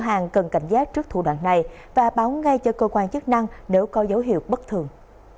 hàng cần cảnh giác trước thủ đoạn này và báo ngay cho cơ quan chức năng nếu có dấu hiệu bất thường